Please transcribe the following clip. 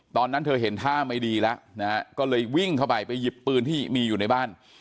ตอนนั้นเธอเห็นท่าไม่ดีแล้วนะฮะก็เลยวิ่งเข้าไปไปหยิบปืนที่มีอยู่ในบ้าน